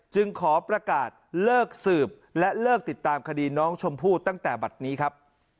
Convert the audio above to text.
จึงขอประกาศเลิกสืบและเลิกติดตามคดีน้องชมพู่ตั้งแต่บัตรนี้ครับ